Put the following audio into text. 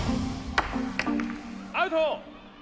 アウト。